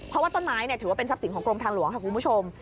เพราะว่าต้นไม้ถือว่าเป็นทรัพย์สินของกรมทางหลวงค่ะคุณผู้ชม